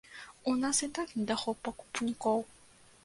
У нас і так недахоп пакупнікоў!